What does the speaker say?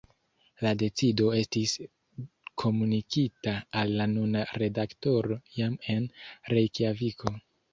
La decido estis komunikita al la nuna redaktoro jam en Rejkjaviko.